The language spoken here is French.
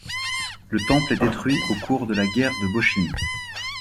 Le temple est détruit au cours de la guerre de Boshin.